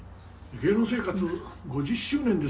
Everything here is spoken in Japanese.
「芸能生活５０周年ですか」